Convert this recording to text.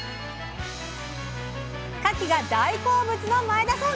かきが大好物の前田さん！